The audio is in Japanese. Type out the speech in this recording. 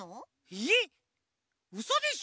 えっうそでしょ！？